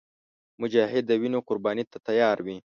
مجاهد د وینو قرباني ته تیار وي.